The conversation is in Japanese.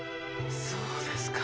そうですか。